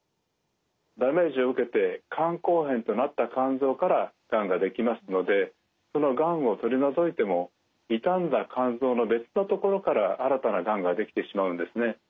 ダメージを受けて肝硬変となった肝臓からがんができますのでそのがんを取り除いても傷んだ肝臓の別の所から新たながんができてしまうんですね。